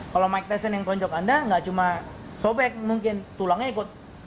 kalau mike tesen yang tonjok anda nggak cuma sobek mungkin tulangnya ikut